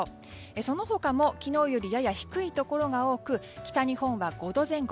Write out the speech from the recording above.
その他も昨日よりやや低いところが多く北日本は５度前後。